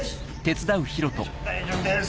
大丈夫です。